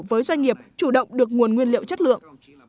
với doanh nghiệp chủ động được nguồn nguyên liệu chất lượng